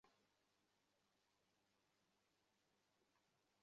কিন্তু আজ যা দেখলাম না?